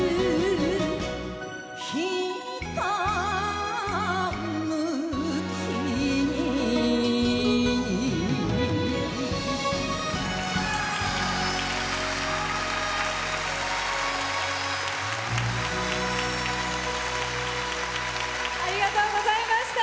ひたむきにありがとうございました。